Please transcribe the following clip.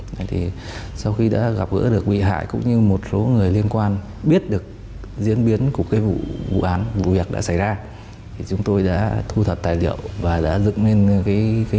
thế thì sau khi đã gặp gỡ được bị hại cũng như một số người liên quan biết được diễn biến của cái vụ án vụ việc đã xảy ra thì chúng tôi đã thu thập tài liệu và đã dựng lên cái